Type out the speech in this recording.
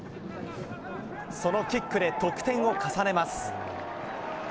そのキックで得点を重ねます。